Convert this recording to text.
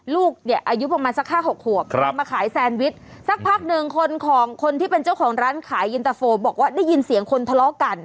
ลูกเนี่ยอายุประมาณสัก๕๖ขวบมาขายแซนวิชสักพักหนึ่งคนของคนที่เป็นเจ้าของร้านขายอินตะโฟบอกว่าได้ยินเสียงคนทะเลาะกัน